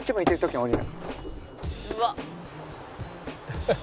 「うわっ」